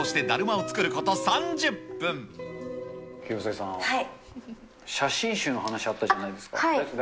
広末さん、写真集の話あったじゃないですか。